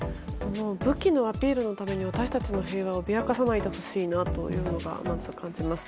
武器のアピールのために私たちの平和を脅かさないでほしいなとまず感じます。